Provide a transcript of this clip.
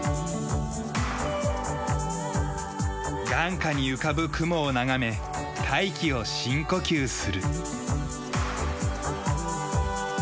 眼下に浮かぶ雲を眺め大気を深呼吸する。